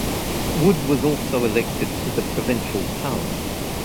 Wood was also elected to the Provincial Parliament.